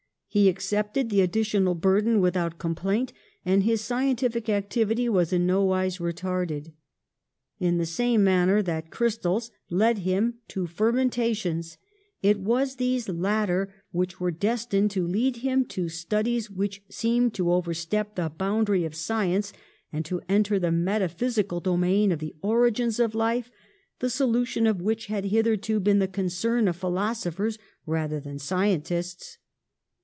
He ac cepted the additional burden without com plaint, and his scientific activity was in no wise retarded. In the same manner that crystals led him to fermentations it was these latter which were destined to lead him to studies which seemed to overstep the boundary of sci ence and to enter the metaphysical domain of the origins of life, the solution of which had hitherto been the concern of philosophers rather than of scientists.